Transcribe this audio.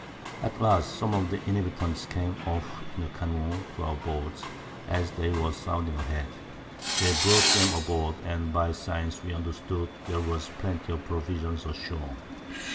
At last some of the Inhabitants came off in a Canoe to our Boats, as they were sounding a head; they brought 'em aboard, and by Signs we understood there was plenty of Provisions ashore.